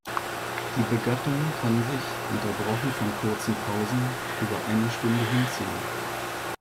Die Begattung kann sich, unterbrochen von kurzen Pausen, über eine Stunde hinziehen.